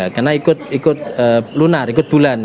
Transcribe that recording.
karena ikut lunar ikut bulan